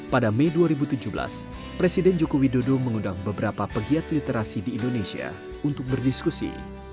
pada mei dua ribu tujuh belas presiden joko widodo mengundang beberapa pegiat literasi di indonesia untuk berdiskusi